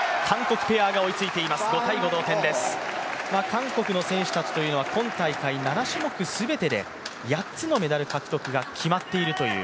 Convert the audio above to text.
韓国の選手たちというのは今大会７種目全てで８つのメダル獲得が決まっているという。